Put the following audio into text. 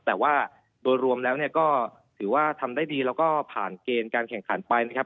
แต่ว่าโดยรวมแล้วเนี่ยก็ถือว่าทำได้ดีแล้วก็ผ่านเกณฑ์การแข่งขันไปนะครับ